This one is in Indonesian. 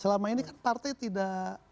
selama ini kan partai tidak